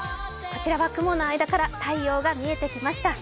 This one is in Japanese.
こちらは雲の間から太陽が見えてきました。